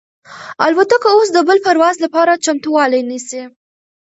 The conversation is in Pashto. الوتکه اوس د بل پرواز لپاره چمتووالی نیسي.